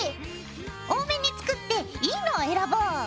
多めに作っていいのを選ぼう。